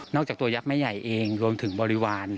จากตัวยักษ์แม่ใหญ่เองรวมถึงบริวาร